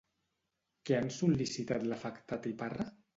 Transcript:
Què han sol·licitat l'afectat i Parra?